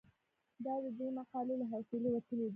دا د دې مقالې له حوصلې وتلې ده.